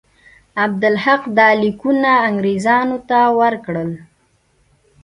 عبدالحق دا لیکونه انګرېزانو ته ورکړل.